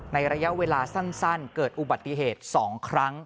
ระยะเวลาสั้นเกิดอุบัติเหตุ๒ครั้ง